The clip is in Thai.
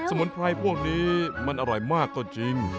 มุนไพรพวกนี้มันอร่อยมากก็จริง